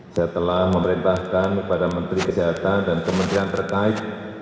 saya telah memerintahkan kepada menteri kesehatan dan kementerian terkait